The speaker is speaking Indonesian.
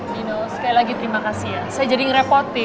dino sekali lagi terima kasih ya saya jadi ngerepoti